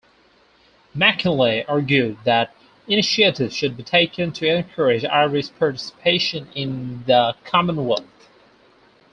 Mackinlay argued that initiatives should be taken to encourage Irish participation in the Commonwealth.